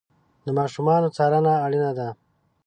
د ماشومانو څارنه اړینه ده.